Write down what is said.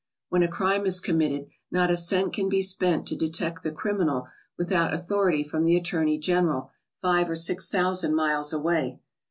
When a crime is committed, not a cent can be spent to detect the criminal without authority from the Attor ney General five or six thousand miles away.